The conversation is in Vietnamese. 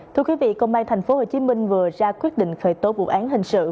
thưa quý vị công an tp hcm vừa ra quyết định khởi tố vụ án hình sự